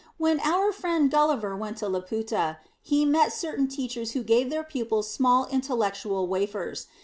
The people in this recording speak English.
When our friend Gulliver went to Laputa, he met certain Teachers who gave their pupils small intellectual wafers.